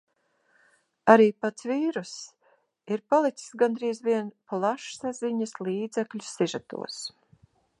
Arī pats vīruss ir palicis gandrīz vien plašsaziņas līdzekļu sižetos.